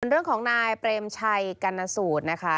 เรื่องของนายเปรมชัยกรรณสูตรนะคะ